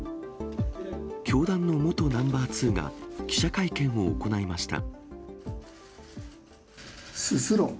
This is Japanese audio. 教団の元ナンバー２が、記者会見を行いました。